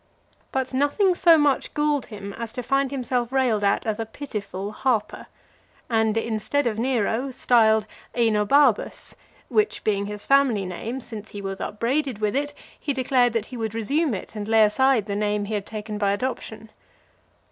But nothing so much galled him, as to find himself railed at as a pitiful harper, and, instead of Nero, styled Aenobarbus: which being his family name, since he was upbraided with it, he declared that he would resume it, and lay aside the name he had taken by adoption.